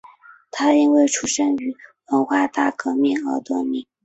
他因为出生于文化大革命而得名。